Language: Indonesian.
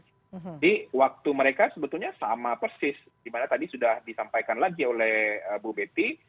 jadi waktu mereka sebetulnya sama persis dimana tadi sudah disampaikan lagi oleh mbak betty